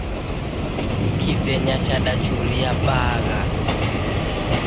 Kizenya chadachuria bagha